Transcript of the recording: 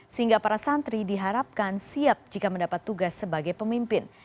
sehingga para santri diharapkan siap jika mendapat tugas sebagai pemimpin